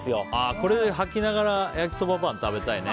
これ、履きながら焼きそばパン食べたいね。